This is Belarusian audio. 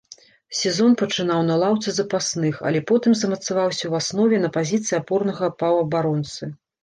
Сезон пачынаў на лаўцы запасных, але потым замацаваўся ў аснове на пазіцыі апорнага паўабаронцы.